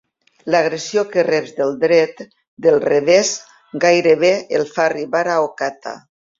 L'agressió que reps del dret, del revés gairebé et fa arribar a Ocata.